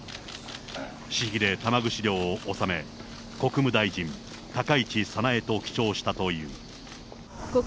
私費で玉ぐし料を納め、国務大臣、高市早苗と記帳したという。